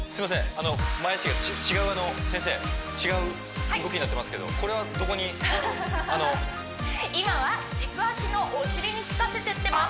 あの違う先生違う動きになってますけどこれはどこにあの今は軸足のお尻にきかせてってます